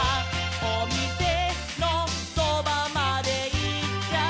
「おみせのそばまでいっちゃった」